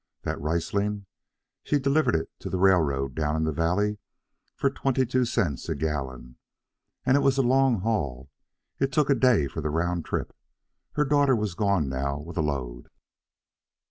That Riesling? She delivered it to the railroad down in the valley for twenty two cents a gallon. And it was a long haul. It took a day for the round trip. Her daughter was gone now with a load.